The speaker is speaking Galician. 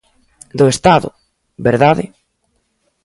¡Do Estado!, ¿verdade?